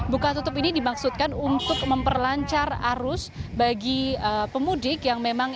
buka tutup ini dimaksudkan untuk memperlancar arus bagi pemudik yang memang